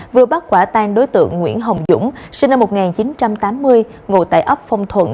vừa bắt quả tan đối tượng nguyễn hồng dũng sinh năm một nghìn chín trăm tám mươi ngộ tại ấp phong thuận